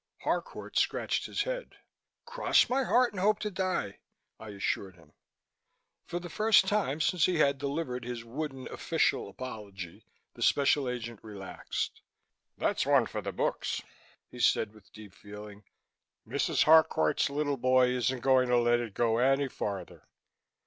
Harcourt scratched his head. "Cross my heart and hope to die," I assured him. For the first time since he had delivered his wooden official apology, the Special Agent relaxed. "That's one for the book," he said with deep feeling. "Mrs. Harcourt's little boy isn't going to let it go any farther.